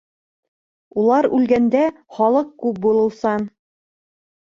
Улар үлгәндә халыҡ күп булыусан.